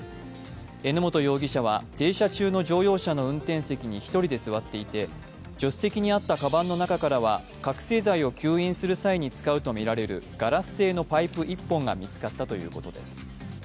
榎本容疑者は停車中の乗用車の運転席に１人で座っていて助手席にあった鞄の中からは覚醒剤を吸引する際に使用するとみられるガラス製のパイプ１本が見つかったということです。